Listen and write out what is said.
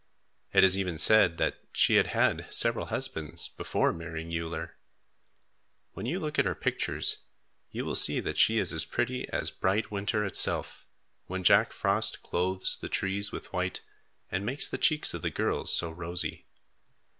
It is even said that she had had several husbands before marrying Uller. When you look at her pictures, you will see that she was as pretty as bright winter itself, when Jack Frost clothes the trees with white and makes the cheeks of the girls so rosy.